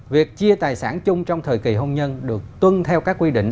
việc chia tài sản chung trong thời kỳ hôn nhân được tuân theo các quy định